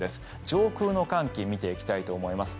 上空の寒気を見ていきたいと思います。